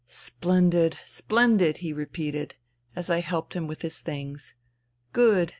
" Splendid I Splen did !he repeated, as I helped him with his things. " Good.